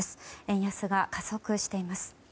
円安が加速しています。